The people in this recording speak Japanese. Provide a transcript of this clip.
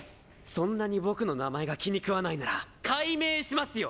そんなに僕の名前が気にくわないなら改名しますよ！